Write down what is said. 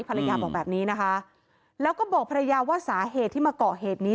ภรรยาบอกแบบนี้นะคะแล้วก็บอกภรรยาว่าสาเหตุที่มาเกาะเหตุนี้